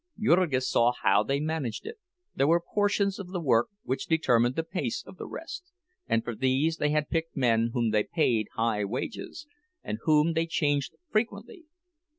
Jurgis saw how they managed it; there were portions of the work which determined the pace of the rest, and for these they had picked men whom they paid high wages, and whom they changed frequently.